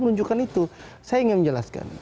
menunjukkan itu saya ingin menjelaskan